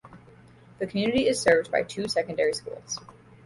The community is served by two secondary schools.